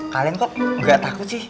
kalian kok gak takut sih